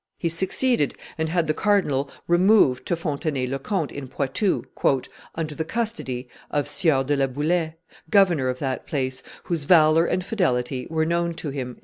He succeeded, and had the cardinal removed to Fontenay le Comte in Poitou, "under the custody of Sieur de la Boulaye, governor of that place, whose valor and fidelity were known to him."